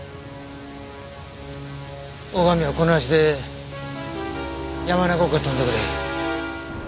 大上はこの足で山中湖へ飛んでくれ。